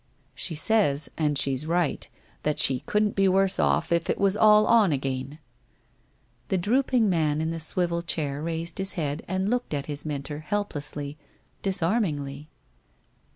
She says, and she's right, that she couldn't be worse off if it was all on again !' The drooping man in the swivel chair raised his head and looked at his mentor helplessly, disarmingly.